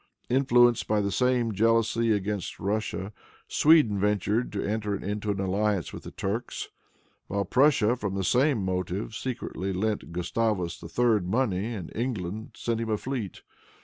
Influenced by the same jealousy against Russia, Sweden ventured to enter into an alliance with the Turks, while Prussia, from the same motive, secretly lent Gustavus III. money, and England sent him a fleet.